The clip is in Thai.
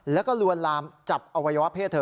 แล้วก็ลวนลามจับอวัยวะเพศเธอ